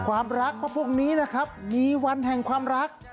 ความรักเพราะพรุ่งนี้นะครับมีวันแห่งความรัก